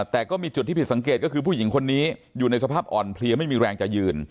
แต่ก็มีจุดที่ผิดสังเกตก็คือผู้หญิงคนนี้อยู่ในสภาพอ่อนเพลียไม่มีแรงจะยืน